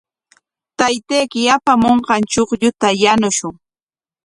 Taytayki apamunqan chuqlluta yanushun.